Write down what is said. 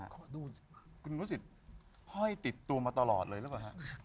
คุณกนุศิษย์ห้อยติดตัวมาตลอดเลยหรือเปล่าครับ